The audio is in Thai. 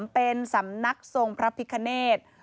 เป็นสำนักทรงพระพิคเนธ